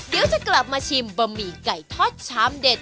เดี๋ยวจะกลับมาชิมบะหมี่ไก่ทอดชามเด็ด